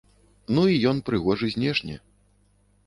Ну і ён прыгожы знешне.